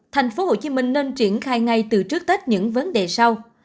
tp hcm nên triển khai ngay từ trước tết những vấn đề sau